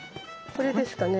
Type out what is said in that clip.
これですかね。